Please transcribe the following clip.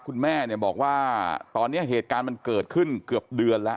คุณแม่เนี่ยบอกว่าตอนนี้เหตุการณ์มันเกิดขึ้นเกือบเดือนแล้ว